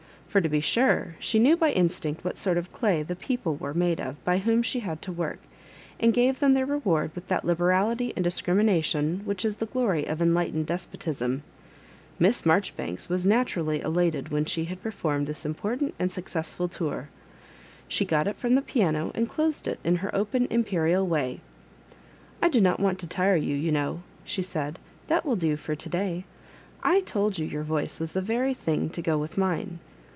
For, to be sure, she knew by instmct what sort of clay the people were made of by whom she had to work, and gave them their r^ ward with that liberality and discrimination which is the glory of enlightened despotism. Miss Marjo ribanks was naturally elated when she had per formed this important and sucoessful iotir. She got up fVom the piano, and closed it in her open, imperial way. " I do not want to tire you, you know," she said; that will do for to day. I told you your voice was the very thing to go with mine.